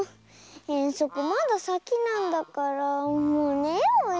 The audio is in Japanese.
えんそくまださきなんだからもうねようよ。